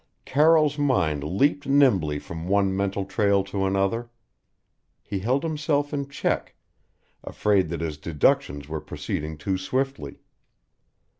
Carroll's mind leaped nimbly from one mental trail to another. He held himself in check, afraid that his deductions were proceeding too swiftly.